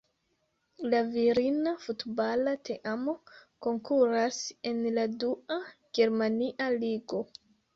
La virina futbala teamo konkuras en la dua germania ligo.